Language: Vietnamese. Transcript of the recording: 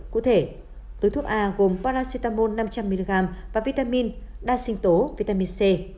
cụ thể túi thuốc a gồm paracetamol năm trăm linh mg và vitamin đa sinh tố vitamin c